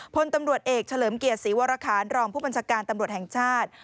พลตำรวจเอกเฉลิมเกียรติศรีวรคารรองผู้บัญชาการตำรวจแห่งชาติ